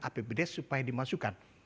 apbdes supaya dimasukkan